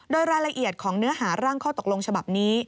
โดยรายละเอียดของเนื้อหาร่างข้อตกลงฉบับนี้